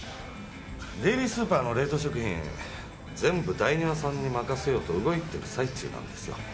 デイリースーパーの冷凍食品全部ダイニワさんに任せようと動いてる最中なんですよ。